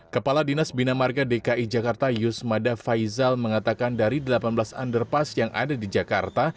kepala dinas bina marga dki jakarta yusmada faizal mengatakan dari delapan belas underpass yang ada di jakarta